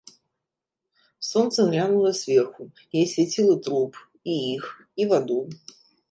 Сонца глянула зверху і асвяціла труп, і іх, і ваду.